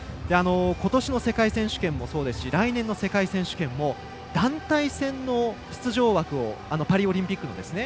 ことしの世界選手権もそうですし来年の世界選手権も団体戦の出場枠をパリオリンピックのですね。